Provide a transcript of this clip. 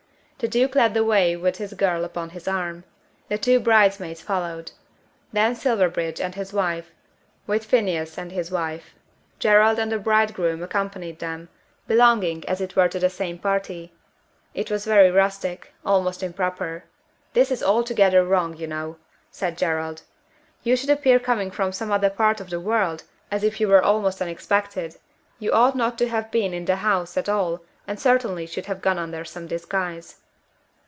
The Duke led the way with his girl upon his arm. The two bridesmaids followed. Then Silverbridge and his wife, with Phineas and his wife. Gerald and the bridegroom accompanied them, belonging as it were to the same party! It was very rustic; almost improper! "This is altogether wrong, you know," said Gerald. "You should appear coming from some other part of the world, as if you were almost unexpected. You ought not to have been in the house at all, and certainly should have gone under some disguise."